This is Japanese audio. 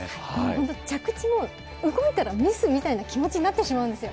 本当、着地も動いてしまったらミスみたいな気持ちになってしまうんですよ。